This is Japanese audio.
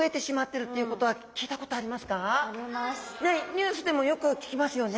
ニュースでもよく聞きますよね。